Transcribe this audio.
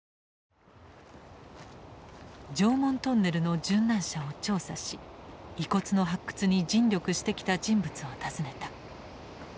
常紋トンネルの殉難者を調査し遺骨の発掘に尽力してきた人物を訪ねた。